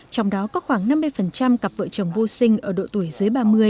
trong đó có khoảng năm mươi cặp vợ chồng vô sinh ở độ tuổi dưới ba mươi